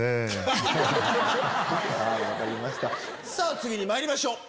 次にまいりましょう！